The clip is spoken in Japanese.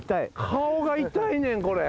顔が痛いねんこれ。